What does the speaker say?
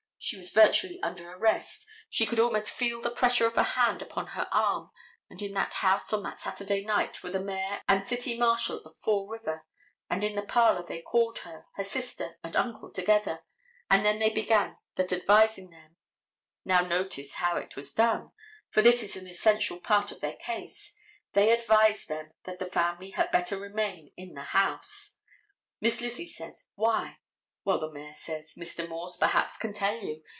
She was virtually under arrest. She could almost feel the pressure of a hand upon her arm, and in that house on that Saturday night were the mayor and city marshal of Fall River, and in the parlor they called her, her sister and uncle together, and then they began that advising them—now notice how it was done, for this is an essential part of their case, they advised them that the family had better remain in the house. Miss Lizzie says, why? Well, the mayor says, Mr. Morse, perhaps, can tell you.